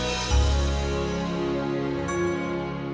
makasih pak ustadz